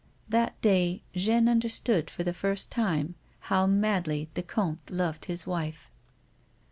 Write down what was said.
That day Jeanne understood, for the first time, how madly the comte loved his wife.